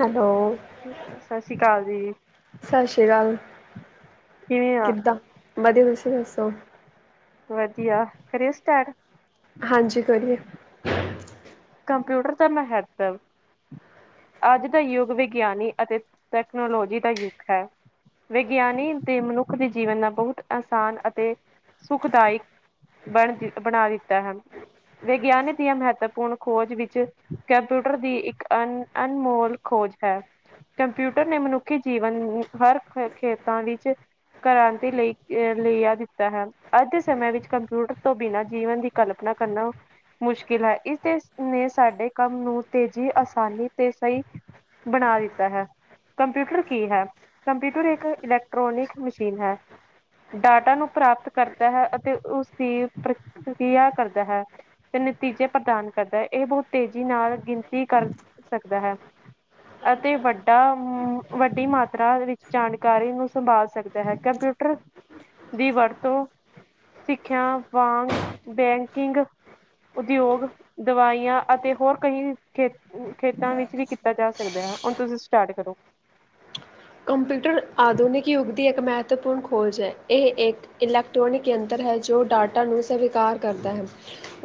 Hello ਸਤਿ ਸ੍ਰੀ ਕਾਲ [unintelligible] ਜੀ [unintelligible] ਸਤਿ ਸ਼੍ਰੀ ਅਕਾਲ। ਕਿਵੇਂ ਆ ਕਿੱਦਾਂ ਵਧੀਆ ਤੂਸ ਤੁਹੀ ਦੱਸੌ [unintelligible] ਵਧੀਆ ਕਰਿਉ ਸਟਾੱਰਟ ਹਾਂਜੀ ਕਰੀਏ। [unintelligible] ਕੰਪਿਊਟਂਰ ਤਾਂ ਮੈਂ ਹੈਕਰ। ਅੱਜ ਦਾ ਯੁੱਗ ਵਿਗਿਆਨੀ ਅਤੇ ਤੈਕਨੋਲੋਜੀ ਦਾ ਯੁੱਗ ਹੈ ਵਿਗਿਆਨੀ ਦੇ ਮਨੁੱਖ ਦੇ ਜੀਵਨ ਨਾਲ ਬਹੁਤ ਆਸਾਨ ਅਤੇ ਸੁੱਖਦਾਇਕ ਬਣ ਬਣਾ ਦਿੱਤਾ ਹੈ। ਵਿਗਿਆਨੀ ਦੀਆਂ ਮਹੱਤਵਪੂਰਨ ਖੋਜ ਵਿੱਚ ਕੰਪਿਊਟਰ ਦੀ ਇੱਕ ਅਨ ਅਨਮੋਲ ਖੋਜ ਹੈ ਕੰਪਿਊਟਰ ਨੇ ਮਨੁੱਖੀ ਜੀਵਨ ਹਰ ਖੇਤਾਂ ਵਿੱਚ ਕ੍ਰਾਂਤੀ ਲਈ ਲ ਆ ਦਿੱਤਾ ਹੈ ਅੱਜ ਦੇ ਸਮੇਂ ਵਿੱਚ ਕੰਪਿਊਟਰ ਤੋਂ ਬਿਨਾਂ ਜੀਵਨ ਦੀ ਕਲਪਨਾ ਕਰਨਾ ਮੁਸ਼ਕਿਲ ਹੈ। ਇਸਦੇ ਨੇ ਸਾਡੇ ਕੰਮ ਨੂੰ ਤੇਜ਼ੀ ਆਸਾਨੀ ਤੇ ਸਹੀ ਬਣਾ ਦਿੱਤਾ ਹੈ। ਕੰਪਿਊਟਰ ਕੀ ਹੈ? ਕੰਪਿਊਟਰ ਇੱਕ ਇਲੈਕਟ੍ਰੋਨਿਕ ਮਸ਼ੀਨ ਹੈ ਡਾਟਾ ਨੂੰ ਪ੍ਰਾਪਤ ਕਰਦਾ ਹੈ। ਅਤੇ ਉਸਦੀ ਪ੍ਰਕਕਿਰਿਆ ਕਰਦਾ ਹੈ ਤੇ ਨਤੀਜੇ ਪ੍ਰਦਾਨ ਕਰਦਾ ਹੈ ਇਹ ਬਹੁਤ ਤੇਜ਼ੀ ਨਾਲ ਗਿਣਤੀ ਕਰ ਹੈ ਅਤੇ ਵੱਡਾ ਵੱਡੀ ਮਾਤਰਾ ਵਿੱਚ ਜਾਣਕਾਰੀ ਨੂੰ ਸੰਭਾਲ ਸਕਦਾ ਹੈ। ਕੰਪਿਊਟਰ ਦੀ ਵਰਤੋਂ ਸਿੱਖਿਆ ਵਾਂਗ ਬੈਂਕਿੰਗ ਉਦਯੋਗ ਦਵਾਈਆਂ ਅਤੇ ਹੋਰ ਕਈ ਖੇ ਖੇਤਾਂ ਵਿੱਚ ਵੀ ਕੀਤਾ ਜਾ ਸਕਦਾ ਹੈ। ਹੁਣ ਤੁਸੀਂ ਸਟਾਰਟ ਕਰੋ। ਕੰਪਿਊਟਰ ਆਧੁਨਿਕ ਯੁੱਗ ਦੀ ਇੱਕ ਮਹੱਤਵਪੂਰਨ ਖੋਜ ਹੈ ਇਹ ਇੱਕ ਇਲੈਕਟ੍ਰੋਨਿਕ ਯੰਤਰ ਹੈ ਜੋ ਡਾਟਾ ਨੂੰ ਸਵੀਕਾਰ ਕਰਦਾ ਹੈ।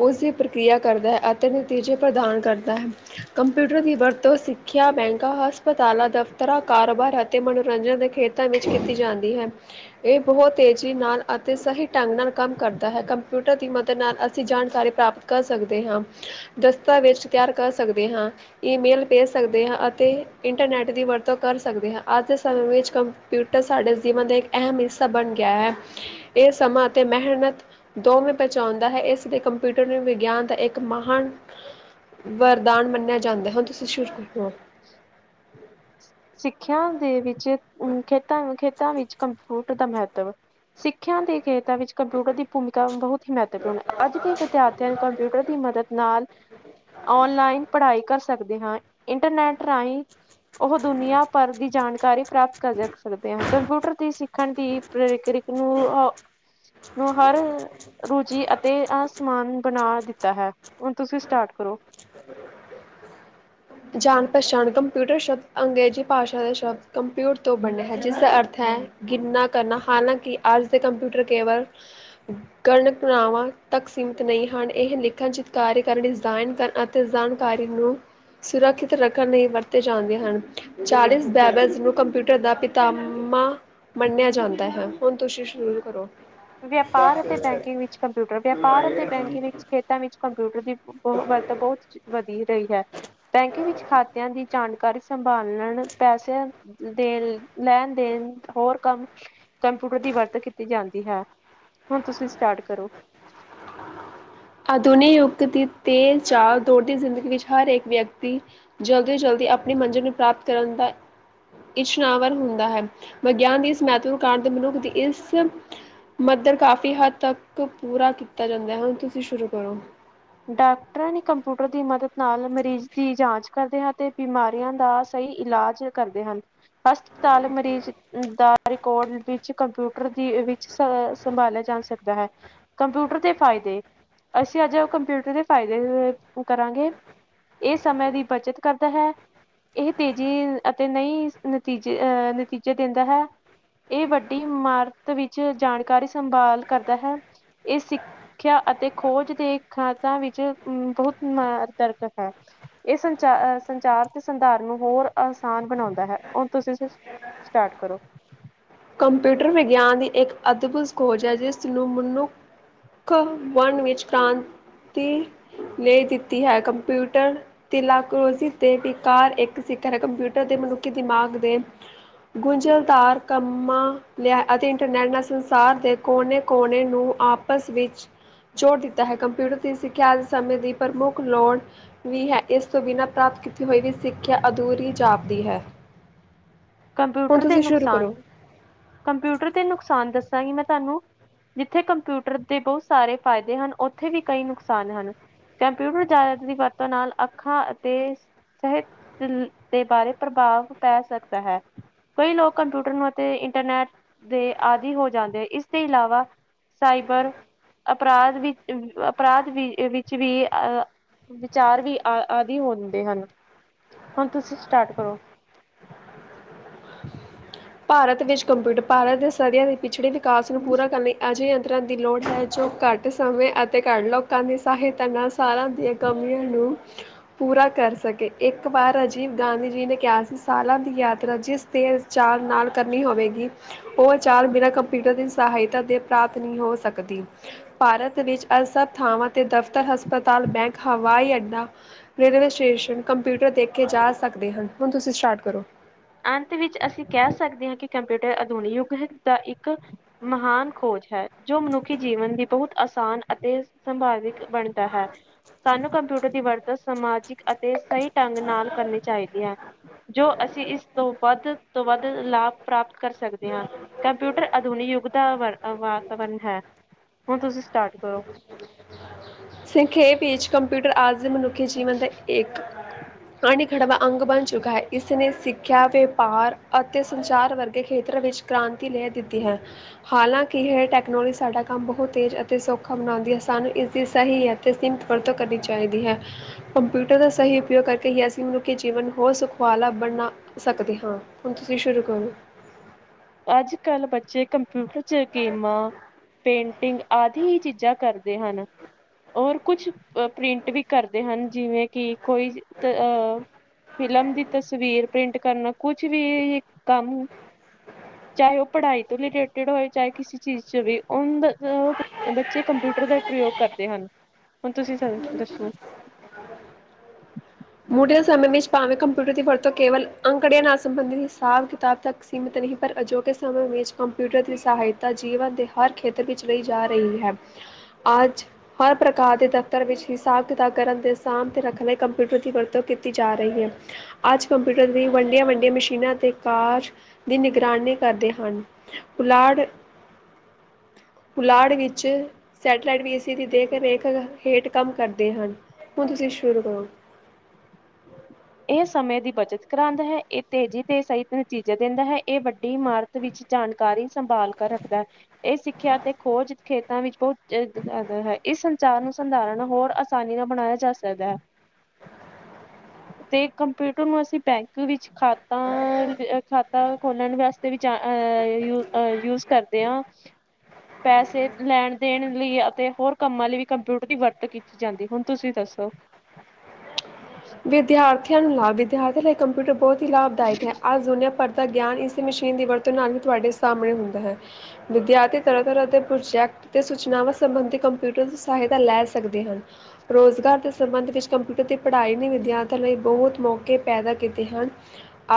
ਉਸ ਦੀ ਪ੍ਰਕਿਰਿਆ ਕਰਦਾ ਹੈ ਅਤੇ ਨਤੀਜੇ ਪ੍ਰਦਾਨ ਕਰਦਾ ਹੈ ਕੰਪਿਊਟਰ ਦੀ ਵਰਤੋਂ ਸਿੱਖਿਆ ਬੈਂਕਾਂ ਹਸਪਤਾਲਾਂ ਦਫ਼ਤਰਾਂ ਕਾਰੋਬਾਰ ਅਤੇ ਅਤੇ ਮਨੋਰੰਜਨ ਦੇ ਖੇਤਰਾਂ ਵਿੱਚ ਕੀਤੀ ਜਾਂਦੀ ਹੈ। ਇਹ ਬਹੁਤ ਤੇਜ਼ੀ ਨਾਲ ਅਤੇ ਸਹੀ ਢੰਗ ਨਾਲ ਕੰਮ ਕਰਦਾ ਹੈ। ਕੰਪਿਊਟਰ ਦੀ ਮਦਦ ਨਾਲ ਅਸੀਂ ਜਾਣਕਾਰੀ ਪ੍ਰਾਪਤ ਕਰ ਸਕਦੇ ਹਾਂ। ਦਸਤਾਵੇਜ਼ ਤਿਆਰ ਕਰ ਸਕਦੇ ਹਾਂ, ਈਮੇਲ ਭੇਜ ਸਕਦੇ ਹਾਂ ਅਤੇ ਇੰਟਰਨੈੱਟ ਦੀ ਵਰਤੋਂ ਕਰ ਸਕਦੇ ਹਾਂ। ਅੱਜ ਦੇ ਸਮੇਂ ਵਿੱਚ ਕੰਪਿਊਟਰ ਸਾਡੇ ਜੀਵਨ ਦਾ ਇੱਕ ਅਹਿਮ ਹਿੱਸਾ ਬਣ ਗਿਆ ਹੈ। ਇਹ ਸਮਾਂ ਅਤੇ ਮਿਹਨਤ ਦੋਵੇਂ ਪਹੁੰਚਾਉਂਦਾ ਹੈ ਇਸ ਲਈ ਕੰਪਿਊਟਰ ਨੂੰ ਵਿਗਿਆਨ ਦਾ ਇੱਕ ਮਹਾਨ ਵਰਦਾਨ ਮੰਨਿਆ ਜਾਂਦਾ ਹੈ। ਹੁਣ ਤੁਸੀਂ ਸ਼ੁਰ ਹੋ [unintelligible] ਸਿੱਖਿਆ ਦੇ ਵਿੱਚ ਚ ਖੇਤਾਂ ਖੇ ਵਿੱਚ ਕੰਪਿਊਟ ਦਾ ਮਹੱਤਵ ਸਿੱਖਿਆ ਦੇ ਖੇ ਵਿੱਚ ਕੰਪਿਊਟਰ ਦੀ ਭੂਮਿਕਾ ਬਹੁਤ ਹੀ ਮਹੱਤਵਪੂਰਨ ਅੱਜ ਦੇ ਵਿਦਿਆਰਥੀਆਂ ਨੂੰ ਕੰਪਿਊਟਰ ਦੀ ਮਦਦ ਨਾਲ ਔਨਲਾਈਨ ਪੜ੍ਹਾਈ ਕਰ ਸਕਦਾ ਐ ਸਕਦੇ ਹਾਂ ਇੰਟਰਨੈਟ ਰਾਹੀਂ ਉਹ ਦੁਨੀਆਂ ਭਰ ਦੀ ਜਾਣਕਾਰੀ ਪ੍ਰਾਪਤ ਕਰ ਸਕ ਸਕਦੇ ਹਾਂ ਕੰਪਿਊਟਰ ਦੀ ਸਿੱ ਰੱਖਣ ਦੀ ਪ੍ਰਕਿ੍ਰਕ [unintelligible] ਨੂੰ ਹਰ ਰੁਚੀ ਅਤੇ ਆ ਸਮਾਨ ਬਣਾ ਦਿੱਤਾ ਹੈ। ਹੁਣ ਤੁਸੀਂ ਸਟਾਰਟ ਕਰੋ। ਜਾਣ ਪਛਾਣ ਕੰਪਿਊਟਰ ਸ਼ਬਦ ਅੰਗਰੇਜ਼ੀ ਭਾਸ਼ਾ ਦੇ ਸ਼ਬਦ ਕੰਪਿਊਟਰ ਤੋਂ ਬਣਿਆ ਹੈ। ਜਿਸਦਾ ਅਰਥ ਹੈ ਗਿਨਾ ਕਰਨਾ ਹਾਲਾਂਕਿ ਅੱਜ ਦੇ ਕੰਪਿਊਟਰ ਕੇਵਲ ਗਣਨਾਵਾਂ ਤੱਕ ਸੀਮਤ ਨਹੀਂ ਹਨ। ਇਹ ਲਿਖਣ ਚਿਤਕਾਰੀ ਕਰਨ ਡਿਜ਼ਾਈਨ ਕਰਨ ਅਤੇ ਜਾਣਕਾਰੀ ਨੂੰ ਸੁਰੱਖਿਅਤ ਰੱਖਣ ਲਈ ਵਰਤੇ ਜਾਂਦੇ ਹਨ। ਚਾਰਲਿਸ ਬੈਬਲ ਨੂੰ ਕੰਪਿਊਟਰ ਦਾ ਪਿਤਾਮਾ ਮੰਨਿਆ ਜਾਂਦਾ ਹੈ। ਹੁਣ ਤੁਸੀਂ ਸ਼ੁਰੂ ਕਰੋ। ਵਯਾਪਾਰ ਅਤੇ ਬੈਂਕਿੰਗ ਵਿੱਚ ਕੰਪਿਊਟਰ ਵਯਾਪਾਰ ਅਤੇ ਬੈਂਕਿੰਗ ਵਿਚ ਖੇਤਾਂ ਵਿੱਚ ਕੰਪਿਊਟਰ ਦੀ। ਬ ਵਰਤ ਬਹੁਤ ਵਧੀ ਰਹੀ ਹੈ ਬੈਂਕ ਵਿੱਚ ਖਾਤਿਆਂ ਦੀ ਜਾਣ। ਕਰ ਸੰਭਾਲਣ ਪੈਸੇ ਦੇ ਲੈਣ ਦੇਣ ਹੋਰ ਕੰਮ ਕੰਪਿਊਟਰ ਦੀ ਵਰਤ ਕੀਤੀ ਜਾਂਦੀ ਹੈ। ਹੁਣ ਤੁਸੀਂ ਸਟਾਰਟ ਕਰੋ। ਆਧੁਨਿਕ ਯੁੱਗ ਦੀ ਤੇਜ ਚਾਲ ਦੌੜਦੀ ਜ਼ਿੰਦਗੀ ਵਿੱਚ ਹਰ ਇੱਕ ਵਿਅਕਤੀ ਜਲਦੀ ਜਲਦੀ ਆਪਣੀ ਮੰਜ਼ਿਲ ਨੂੰ ਪ੍ਰਾਪਤ ਕਰਨ ਦਾ ਇਛਨਾਵਰ ਹੁੰਦਾ ਹੈ ਵਿਗਿਆਨ ਦੀ ਇਸ ਮਹੱਤਵ ਕਾਰ ਮਨੁੱਖ ਦੀ ਇਸ ਮੱਧ ਕਾਫ਼ੀ ਹੱਦ ਤੱਕ ਪੂਰਾ ਕੀਤਾ ਜਾਂਦਾ ਹੈ। ਸ਼ੁਰੂ ਕਰੋ। ਡਾਕਟਰਾਂ ਨੇ ਕੰਪਿਊਟਰ ਦੀ ਮਦੱਦ। ਨਾਲ ਮਰੀਜ਼ ਦੀ ਜਾਂਚ ਕਰਦੇ ਹਾਂ ਤੇ ਬਿਮਾਰੀਆਂ ਦਾ ਸਹੀ ਇਲਾਜ ਕਰਦੇ ਹਨ ਹਸਪਤਾਲ ਮਰੀਜ਼ ਦਾ ਰਿਕਾਰਡ ਵਿੱਚ ਕੰਪਿਊਟਰ ਦੀ ਵਿੱਚ ਸ ਸੰਭਾਲਿਆ ਜਾ ਸਕਦਾ ਹੈ ਕੰਪਿਊਟਰ ਦੇ ਫਾਇਦੇ ਅਸੀਂ ਅੱਜ । ਕੰਪਿਊਟਰ ਦੇ ਫਾਇਦੇ ਕਰਾਂਗੇ ਇਹ ਸਮੇਂ ਦੀ ਬੱਚਤ ਕਰਦਾ ਹੈ ਇਹ ਤੇਜ਼ੀ ਅਤੇ ਨਹੀਂ ਨਤੀਜੇ ਅ ਨਤੀਜੇ ਦਿੰਦਾ ਹੈ ਇਹ ਵੱਡੀ ਇਮਾਰਤ ਵਿੱਚ ਜਾਣਕਾਰੀ ਸੰਭਾਲ ਕਰਦਾ ਹੈ ਇਹ ਸਿੱਖਿਆ ਅਤੇ ਖੋਜ ਦੇ। ਖਾਦਾਂ ਵਿੱਚ ਬਹੁਤ ਦਰਕਤ ਹੈ ਇਹ ਸੰਚਾਰ ਸੰਚਾਰ ਤੇ ਸੰਧਾਰ ਨੂੰ ਹੋਰ ਆਸਾਨ ਬਣਾਉਂਦਾ ਹੈ ਹੁਣ ਤੁਸੀਂ ਸਟਾਰਟ ਕਰੋ। ਕੰਪਿਊਟਰ ਵਿਗਿਆਨ ਦੀ ਇੱਕ ਅਦਭੁਤ ਖੋਜ ਹੈ ਜਿਸ ਨੂੰ ਮਨੁੱਖ ਮਨ ਵਿੱਚ ਕ੍ਰਾਂਤੀ ਲਈ ਦਿੱਤੀ ਹੈ ਕੰਪਿਊਟਰ ਤ ਤੇ ਵਿਕਾਰ ਇੱਕ ਸਿਖਰ ਹੈ ਕੰਪਿਊਟਰ ਦੇ ਮਨੁੱਖੀ ਦਿਮਾਗ ਦੇ ਗੁੰਝਲਦਾਰ ਕੰਮ। ਮ ਲਿਆ ਅਤੇ ਇੰਟਰਨੈੱਟ ਨਾਲ ਸੰਸਾਰ ਦੇ ਕੋਨੇ ਕੋਨੇ ਨੂੰ ਆਪਸ ਵਿੱਚ ਜੋੜ ਦਿੱਤਾ ਹੈ ਕੰਪਿਊਟਰ ਦੀ ਸਿੱਖਿਆ ਆਜ ਸਮੇਂ ਦੀ ਪ੍ਰਮੁੱਖ ਲੋੜ ਵੀ ਹੈ ਇਸ ਤੋਂ ਬਿਨਾਂ ਪ੍ਰਾਪਤ ਕੀਤੀ ਹੋਈ ਵੀ ਸਿੱਖਿਆ ਅਧੂਰੀ ਜਾਪਦੀ ਹੈ। ਹੁਣ ਕੰਪਿਊਟਰ ਦੇ ਤੁਸੀਂ ਸ਼ੁਰੂ ਨੁਕਸਾਨ। ਕਰੋ। ਕੰਪਿਊਟਰ ਦੇ ਨੁਕਸਾਨ ਦੱਸਾਂਗੀ ਮੈਂ ਤੁਹਾਨੂੰ ਜਿੱਥੇ ਕੰਪਿਊਟਰ ਦੇ ਬਹੁਤ ਸਾਰੇ ਫਾਇਦੇ ਹਨ ਉੱਥੇ ਵੀ ਕਈ ਨੁਕਸਾਨ ਹਨ ਕੰਪਿਊਟਰ ਜ਼ਿਆਦਾ ਦੀ ਵਰਤੋਂ ਨਾਲ ਅੱਖਾਂ ਅਤੇ ਸਿਹਤ ਦੇ ਬਾਰੇ ਪ੍ਰਭਾਵ ਪੈ ਸਕਦਾ ਹੈ। ਕਈ ਲੋਕ ਕੰਪਿਊਟਰ ਨੂੰ ਅਤੇ ਇੰਟਰਨੈਟ ਦੇ ਆਦਿ ਹੋ ਜਾਂਦੇ ਹੈ ਇਸਦੇ ਇਲਾਵਾ ਸਾਈਬਰ ਅਪਰਾਧ ਵਿੱਚ ਅਪਰਾਧ ਵਿੱਚ ਵੀ ਅਹ ਵਿਚਾਰ ਵੀ ਆ ਆਦਿ ਹੋ ਜਾਂਦੇ ਹਨ ਹੁਣ ਤੁਸੀਂ ਸਟਾਰਟ ਕਰੋ। ਭਾਰਤ ਵਿੱਚ ਕੰਪਿਊਟਰ ਭਾਰਤ ਦੇ ਸਦੀਆਂ ਦੀ ਪਿਛੜੇ। ਵਿਕਾਸ ਨੂੰ ਪੂਰਾ ਕਰਨ ਲਈ ਅਜਿਹੇ। ਦੀ ਲੋੜ ਹੈ ਜੋ ਘੱਟ ਸਮੇਂ ਅਤੇ ਘੱਟ ਲੋਕਾਂ ਦੀ ਸਹਾਇਤਾ ਨਾਲ ਸਾਲਾਂ ਦੀਆਂ ਕਮੀਆਂ ਨੂੰ ਪੂਰਾ ਕਰ ਸਕੇ ਇੱਕ ਵਾਰ ਰਾਜੀਵ ਗਾਂਧੀ ਜੀ ਨੇ ਕਿਹਾ ਸੀ ਸਾਲਾਂ ਦੀ ਯਾਤਰਾ ਜਿਸ ਤੇ ਚਾਰ। ਨਾਲ ਕਰਨੀ ਹੋਵੇਗੀ। ਉਹ ਚਾਲ ਬਿਨਾਂ ਕੰਪਿਊਟਰ ਦੀ ਸਹਾਇਤਾ ਦੇ ਪ੍ਰਾਪਤ ਨਹੀਂ ਹੋ ਸਕਦੀ। ਭਾਰਤ ਵਿੱਚ ਅ ਸੱਭ ਥਾਵਾਂ ਤੇ ਦਫ਼ਤਰ, ਹਸਪਤਾਲ, ਬੈਂਕ, ਹਵਾਈ ਅੱਡਾ, ਰੇਲਵੇ ਸਟੇਸ਼ਨ, ਕੰਪਿਊਟਰ ਦੇਖੇ ਜਾ ਸਕਦੇ ਹਨ। ਹੁਣ ਤੁਸੀਂ ਸਟਾਰਟ ਕਰੋ। ਅੰਤ ਵਿੱਚ ਅਸੀਂ ਕਹਿ ਸਕਦੇ ਹਾਂ ਕਿ ਕੰਪਿਊਟਰ ਅਧੁਨਿਕ ਯੁੱਗ ਹੈ ਦਾ ਇੱਕ ਮਹਾਨ ਖੋਜ ਹੈ ਜੋ ਮਨੁੱਖੀ ਜੀਵਨ ਦੀ ਬਹੁਤ ਆਸਾਨ ਅਤੇ ਸੰਭਾਵਿਕ ਬਣ । ਤਾਂ ਹੈ, ਸਾਨੂੰ ਕੰਪਿਊਟਰ ਦੀ ਵਰਤ । ਤ ਸਮਾਜਿਕ ਅਤੇ ਸਹੀ । ਢੰਗ ਨਾਲ ਕਰਨੀ ਚਾਹੀਦੀ ਹੈ। ਜੋ ਅਸੀਂ ਇਸ। ਤੋਂ ਵੱਧ ਤੋਂ ਵੱਧ ਲਾਭ ਪ੍ਰਾਪਤ ਕਰ ਸਕਦੇ ਹਾਂ। ਕੰਪਿਊਟਰ ਆਧੁਨਿਕ ਯੁੱਗ ਦਾ ਵਰ ਅ ਵਾਤਾਵਰਨ ਹੈ। ਹੁਣ ਤੁਸੀਂ ਸਟਾਰਟ ਕਰੋ। ਸੰਖੇਪ ਵਿੱਚ ਕੰਪਿਊਟਰ ਅੱਜ ਦੇ ਮਨੁੱਖੀ ਜੀਵਨ ਦਾ ਇੱਕ ਅਨਿੱਖੜਵਾਂ ਅੰਗ ਬਣ ਚੁੱਕਾ ਹੈ। ਇਸ ਨੇ ਸਿੱਖਿਆ, ਵਪਾਰ ਅਤੇ ਸੰਚਾਰ ਵਰਗੇ ਖੇਤਰ ਵਿੱਚ ਕ੍ਰਾਂਤੀ ਲੈ ਦਿੱਤੀ ਹੈ। ਹਾਲਾਂਕਿ ਇਹ ਟੈਕਨੋਲੋਜੀ ਸਾਡਾ ਕੰਮ ਬਹੁਤ ਤੇਜ਼ ਅਤੇ ਸੌਖਾ ਬਣਾਉਂਦੀ ਹੈ ਸਾਨੂੰ ਇਸ ਦੀ । ਸਹੀ ਹੈ ਅਤੇ ਸੀਮਿਤ ਵਰਤੋਂ ਕਰਨੀ ਚਾਹੀਦੀ ਹੈ। ਕੰਪਿਊਟਰ ਦਾ ਸਹੀ ਉਪਯੋਗ ਕਰਕੇ ਹੀ ਅਸੀਂ ਮਨੁੱਖੀ ਜੀਵਨ ਹੋਰ ਸੁਖ ਵਾਲਾ ਬਣਾ ਸਕਦੇ ਹਾਂ ਹੁਣ ਤੁਸੀਂ ਸ਼ੁਰੂ ਕਰੋ। ਅੱਜ ਕੱਲ੍ਹ ਬੱਚੇ ਕੰਪਿਊਟਰ ਚ ਗੇਮਾਂ ਪੇਂਟਿੰਗ ਆਦਿ ਹੀ ਚੀਜ਼ਾਂ ਕਰਦੇ ਹਨ ਔਰ ਕੁਝ ਪ੍ਰਿੰਟ ਵੀ ਕਰਦੇ ਹਨ ਜਿਵੇਂ ਕਿ ਕੋਈ ਅ ਫਿਲਮ ਦੀ ਤਸਵੀਰ ਪ੍ਰਿੰਟ ਕਰਨਾ, ਕੁਝ ਵੀ ਕੰਮ । ਚਾਹੇ ਉਹ ਪੜ੍ਹਾਈ ਤੋਂ ਰਿਲੇਟਿਡ ਹੋਏ, ਚਾਹੇ ਕਿਸੇ ਚੀਜ਼ ਚ ਵੀ। ਉਂਦਾ ਓ ਉਹਦਾ ਬੱਚੇ ਕੰਪਿਊਟਰ ਦਾ ਪ੍ਰਯੋਗ ਕਰਦੇ ਹਨ। ਹੁਣ ਤੁਸੀਂ ਸ ਦੱਸੋ। ਮੁੜਲੇ ਸਮੇਂ ਵਿੱਚ ਭਾਵੇਂ ਕੰਪਿਊਟਰ ਦੀ ਵਰਤੋਂ ਕੇਵਲ ਅੰਕੜਿਆਂ ਨਾਲ ਸੰਬੰਧਿਤ ਹਿਸਾਬ ਕਿਤਾਬ ਤੱਕ ਸੀਮਿਤ ਰਹੀ। ਪਰ ਅਜੋਕੇ ਸਮੇਂ ਵਿੱਚ ਕੰਪਿਊਟਰ ਦੀ ਸਹਾਇਤਾ ਜੀਵਨ ਦੇ ਹਰ ਖੇਤਰ ਵਿੱਚ ਲਈ ਜਾ ਰਹੀ ਹੈ। ਅੱਜ ਹਰ ਪ੍ਰਕਾਰ ਦੇ ਦਫ਼ਤਰ ਵਿੱਚ ਹਿਸਾਬ ਕਿਤਾਬ ਕਰਨ ਦੇ ਸਾਂਭ ਤੇ ਰੱਖਣ ਲਈ ਕੰਪਿਊਟਰ । ਦੀ ਵਰਤੋਂ ਕੀਤੀ ਜਾ ਰਹੀ ਹੈ। ਅੱਜ ਕੰਪਿਊਟਰ ਵੀ ਵੱਡੀਆਂ ਵੱਡੀਆਂ ਮਸ਼ੀਨਾਂ ਤੇ ਕਾਰ ਦੀ ਨਿਗਰਾਨੀ ਕਰਦੇ ਹਨ। ਪੁਲਾੜ ਪੁਲਾੜ ਵਿੱਚ ਸੈਟੇਲਾਈਟ ਵੀ ਇਸੀ‌ ਦੀ ਦੇਖ ਰੇਖ ਹੇਠ ਕੰਮ ਕਰਦੇ ਹਨ। ਹੁਣ ਤੁਸੀਂ ਸ਼ੁਰੂ ਕਰੋ। [unintelligible] ਇਹ ਸਮੇਂ ਦੀ ਬੱਚਤ ਕਰਾਉਂਦਾ ਹੈ। ਇਹ ਤੇਜ਼ੀ ਤੇ ਸਹੀ ਨਤੀਜੇ ਦਿੰਦਾ ਹੈ। ਇਹ ਵੱਡੀ ਇਮਾਰਤ ਵਿੱਚ ਜਾਣਕਾਰੀ ਸੰਭਾਲ ਕਰ ਰੱਖਦਾ ਹੈ। ਇਹ ਸਿੱਖਿਆ ਅਤੇ ਖੋਜ ਖੇਤਾਂ ਵਿੱਚ ਬਹੁਤ [unintelligible] ਹੈ। ਇਸ ਸੰਚਾਰ ਨੂੰ ਸੰਧਾਰਨ ਹੋਰ ਆਸਾਨੀ ਨਾਲ ਬਣਾਇਆ ਜਾ ਸਕਦਾ ਹੈ । ਤੇ ਕੰਪਿਊਟਰ ਨੂੰ ਅਸੀਂ ਬੈਂਕ ਵਿੱਚ । ਖਾਤਾਂ ਖਾ । ਖਾਤਾ ਖੋਲਣ ਵਾਸਤੇ ਵੀ [unintelligible] ਯੂ ਯੂਜ ਕਰਦੇ ਹਾਂ। ਪੈਸੇ ਲੈਣ ਦੇਣ ਲਈ ਅਤੇ ਹੋਰ ਕੰਮਾਂ ਲਈ ਵੀ ਕੰਪਿਊਟਰ ਦੀ ਵਰਤੋਂ ਕੀਤੀ ਜਾਂਦੀ। ਹੁਣ ਤੁਸੀਂ ਦੱਸੋ। ਵਿਦਿਆਰਥ । ਵਿਦਿਆ ਨੂੰ ਲਾਭ ।ਵਿਦਿਆਰਥੀ ਲਈ ਕੰਪਿਊਟਰ ਬਹੁਤ । ਕੀ ਲਾਭਦਾਇਕ ਹੈ। ਅੱਜ ਦੁਨੀਆਂ ਪੜ੍ਹਦੀ । ਦਾ ਗਿਆਨ ਇਸ ਮਸ਼ੀਨ ਦੀ ਵਰਤੋਂ ਨਾਲ ਹੀ ਤੁਹਾਡੇ ਸਾਹਮਣੇ ਹੁੰਦਾ ਹੈ। ਵਿਦਿਆਰਥੀ ਤਰ੍ਹਾਂ ਤਰ੍ਹਾਂ ਦੇ ਪ੍ਰੋਜੈਕਟ ਤੇ ਸੂਚਨਾਵਾਂ ਸੰਬੰਧੀ ਕੰਪਿਊਟਰ ਦੀ ਸਹਾਇਤਾ ਲੈ ਸਕਦੇ ਹਨ। ਰੋਜ਼ਗਾਰ ਦੇ ਸੰਬੰਧ ਵਿੱਚ ਕੰਪਿਊਟਰ ਦੀ ਪੜ੍ਹਾਈ ਨਹੀਂ । ਵਿਦਿਆਰਥੀਆਂ ਲਈ ਬਹੁਤ ਮੌਕੇ ਪੈਦਾ ਕੀਤੇ ਹਨ।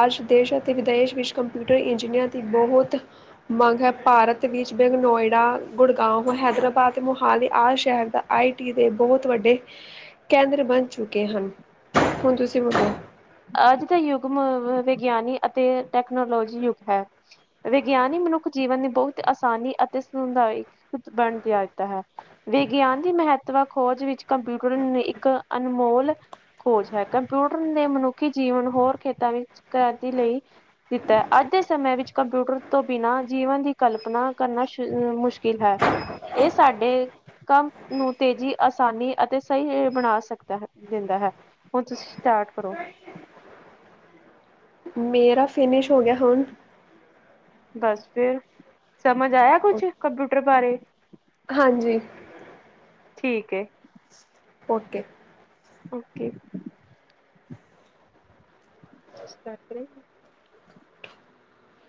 ਅੱਜ ਦੇਸ਼ ਅਤੇ ਵਿਦੇਸ਼ ਵਿੱਚ ਕੰਪਿਊਟਰ ਇੰਜੀਨੀਅਰ ਦੀ ਬਹੁਤ ਮੰਗ ਹੈ। ਭਾਰਤ ਵਿੱਚ ਬੈਂਗ ਨੋਇਡਾ, ਗੁੜਗਾਓ, ਹੈਦਰਾਬਾਦ ਮੋਹਾਲੀ ਆਦਿ ਸ਼ਹਿਰ ਦਾ ਆਈ ਟੀ ਦੇ ਬਹੁਤ ਵੱਡੇ ਕੇਂਦਰ ਬਣ ਚੁੱਕੇ ਹਨ। ਹੁਣ ਤੁਸੀਂ ਮੁਕਾਓ। ਅੱਜ ਦੇ ਯੁਗ ਮ-ਮ ਵਿਗਿਆਨੀ ਅਤੇ ਟੈਕਨੋਲੋਜੀ ਯੁੱਗ ਹੈ। ਵਿਗਿਆਨੀ ਮਨੁੱਖ ਜੀਵਨ ਦੀ ਬਹੁਤ ਆਸਾਨੀ ਅਤੇ ਸੁਧ ਬਣ ਗਿਆ ਦਿੱਤਾ ਹੈ। ਵਿਗਿਆਨ ਦੀ ਮਹੱਤਵ ਖੋਜ ਵਿੱਚ ਕੰਪਿਊਟਰ ਇੱਕ ਅਨਮੋਲ ਖੋਜ ਹੈ। ਕੰਪਿਊਟਰ ਨੇ ਮਨੁੱਖ ਮਨੁੱਖੀ ਜੀਵਨ ਹੋਰ ਖੇਤਾਂ ਵਿੱਚ ਕਾਰਜ ਲਈ ਦਿੱਤਾ ਹੈ। ਅੱਜ ਦੇ ਸਮੇਂ ਵਿੱਚ ਕੰਪਿਊਟਰ ਤੋਂ ਬਿਨਾਂ ਜੀਵਨ ਦੀ ਕਲਪਨਾ ਕਰਨਾ ਸ਼ ਮੁਸ਼ਕਿਲ ਹੈ। ਇਹ ਸਾਡੇ ਕੰਮ ਨੂੰ ਤੇਜ਼ੀ, ਆਸਾਨੀ ਅਤੇ ਸਹੀ ਹੀ ਬਣਾ ਸਕਦਾ ਹੈ ਦਿੰਦਾ ਹੈ। ਹੁਣ ਤੁਸੀਂ ਸਟਾਰਟ ਕਰੋ। ਮੇਰਾ ਫਿਨਿਸ਼ ਹੋ ਗਿਆ, ਹੁਣ ਬਸ ਫਿਰ, ਸਮਝ ਆਇਆ ਕੁਝ ਕੰਪਿਊਟਰ ਬਾਰੇ? ਹਾਂਜੀ। ਠੀਕ ਏ । ਓਕੇ। ਓਕੇ। ਇਸ ਕਰਕੇ